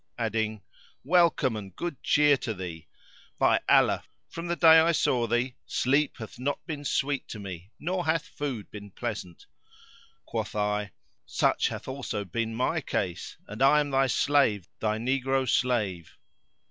adding, "Welcome and good cheer to thee! By Allah, from the day I saw thee sleep hath not been sweet to me nor hath food been pleasant." Quoth I, "Such hath also been my case: and I am thy slave, thy negro slave."